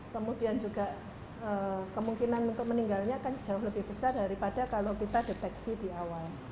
kemudian juga kemungkinan untuk meninggalnya kan jauh lebih besar daripada kalau kita deteksi di awal